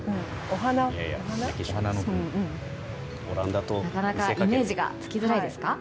１！なかなかイメージがつきづらいですか？